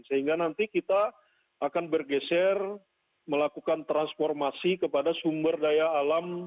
sehingga nanti kita akan bergeser melakukan transformasi kepada sumber daya alam